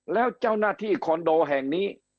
แล้วเจ้าหน้าที่คอนโดแห่งนี้